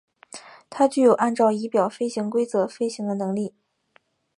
它具有按照仪表飞行规则飞行的能力。